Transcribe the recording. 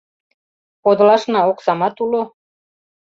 Подылашна оксамат уло.